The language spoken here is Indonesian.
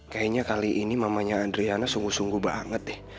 kayaknya kali ini mamanya adriana sungguh sungguh banget ya